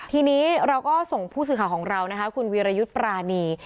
ทีนี้เราก็ส่งผู้สื่อข่าวของเรานะคะคุณวีรยุทธ์ปรานี